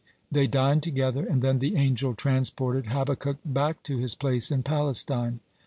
They dined together, and then the angel transported Habakkuk back to his place in Palestine.